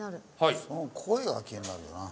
その声が気になるよな。